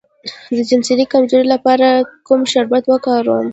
د جنسي کمزوری لپاره کوم شربت وکاروم؟